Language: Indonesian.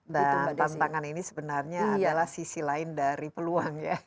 tantangan ini sebenarnya adalah sisi lain dari peluang ya